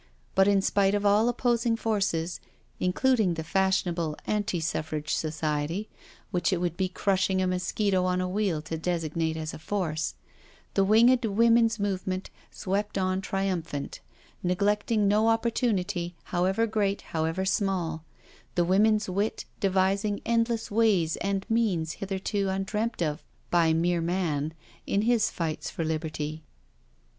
But in spite of all opposing forces, including the fashionable Anti Suffrage Society, which it would be crushing a mosquito on a wheel to designate as a force, the winged woman's movement swept on triumphant, neglecting no opportunity, however great, however small; the woman's wit devising endless ways and means hitherto undreamt of by " mere man " in his fights for liberty.